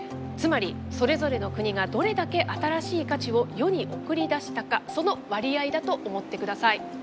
つまりそれぞれの国がどれだけ新しい価値を世に送り出したかその割合だと思って下さい。